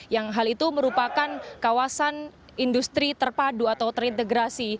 yang merupakan kawasan industri terpadu atau terintegrasi